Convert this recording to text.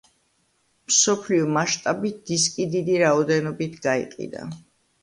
მსოფლიო მასშტაბით დისკი დიდი რაოდენობით გაიყიდა.